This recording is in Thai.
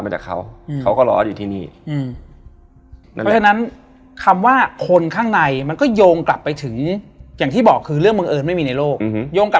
เราจะเป็นแก๊งแปลกนะ